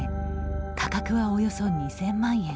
価格はおよそ２０００万円。